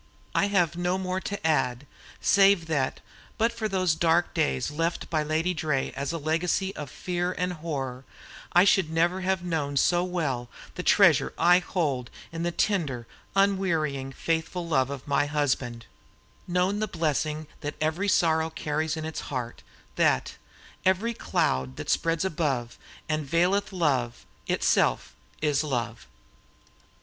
I have no more to add, save that but for those dark days left by Lady Draye as a legacy of fear and horror, I should never have known so well the treasure I hold in the tender, unwearying, faithful love of my husband known the blessing that every sorrow carries in its heart, that "Every cloud that spreads above And veileth love, itself is love."